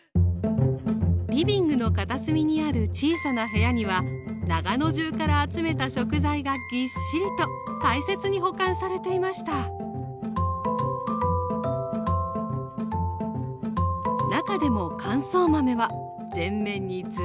リビングの片隅にある小さな部屋には長野中から集めた食材がぎっしりと大切に保管されていました中でも乾燥豆は全面にずらり。